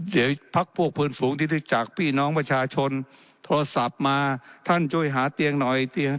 เดี๋ยวพักพวกพื้นฝูงที่ได้จากพี่น้องประชาชนโทรศัพท์มาท่านช่วยหาเตียงหน่อยเตียง